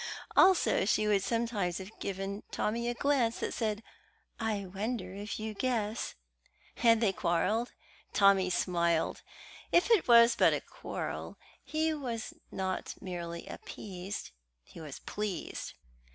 Also she would sometimes have given Tommy a glance that said, "I wonder if you guess." Had they quarrelled? Tommy smiled. If it was but a quarrel he was not merely appeased he was pleased.